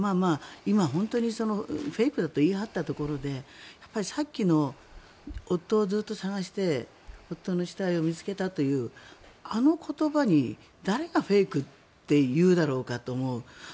今、本当にフェイクだと言い張ったところでさっきの夫をずっと捜して夫の死体を見つけたというあの言葉に誰がフェイクって言うだろうかと思う。